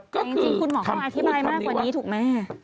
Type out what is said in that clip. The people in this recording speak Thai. ก็คือทำพูดทำนี้วะคุณหมอเขาอธิบายมากกว่านี้ถูกไหม